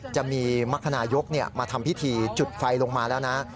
จะมีมรรคนายกมาทำพิธีจุดไฟลงมาแล้วนะ